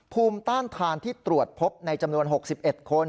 ภูมิต้านทานที่ตรวจพบในจำนวน๖๑คน